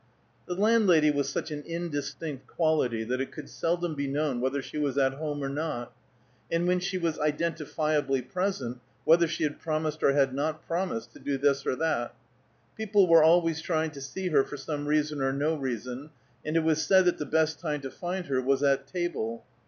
The landlady was such an indistinct quality, that it could seldom be known whether she was at home or not, and when she was identifiably present, whether she had promised or had not promised to do this or that. People were always trying to see her for some reason or no reason, and it was said that the best time to find her was at table.